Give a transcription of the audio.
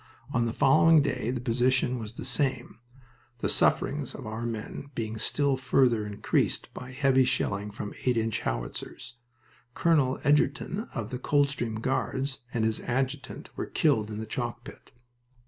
On the following day the position was the same, the sufferings of our men being still further increased by heavy shelling from 8 inch howitzers. Colonel Egerton of the Coldstream Guards and his adjutant were killed in the chalk pit.